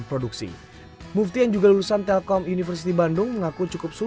produksi mufti yang juga lulusan telkom universiti bandung mengaku cukup